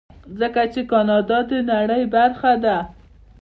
ځکه چې کاناډا د نړۍ برخه ده.